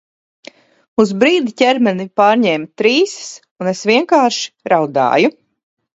Uz brīdi ķermeni pārņēma trīsas, un es vienkārši raudāju.